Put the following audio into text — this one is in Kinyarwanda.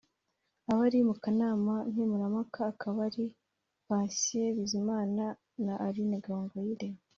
abari mu kanama nkemurampaka akaba ari Patient Bizimana na Aline Gahongayire